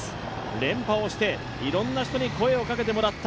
連覇をして、いろんな人に声をかけてもらった。